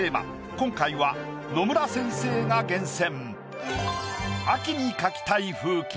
今回は野村先生が厳選。